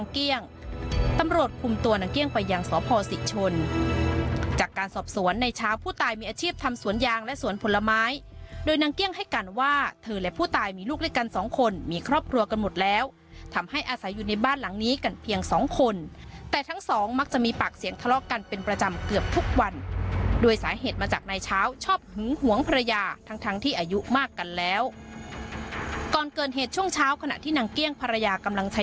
การสอบสวนในเช้าผู้ตายมีอาชีพทำสวนยางและสวนผลไม้โดยนางเกี่ยงให้กันว่าเธอและผู้ตายมีลูกด้วยกันสองคนมีครอบครัวกันหมดแล้วทำให้อาศัยอยู่ในบ้านหลังนี้กันเพียงสองคนแต่ทั้งสองมักจะมีปากเสียงทะเลาะกันเป็นประจำเกือบทุกวันโดยสาเหตุมาจากในเช้าชอบหึงหวงภรรยาทั้งทั้งที่อายุมากกัน